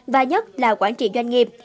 và nhất là quản trị doanh nghiệp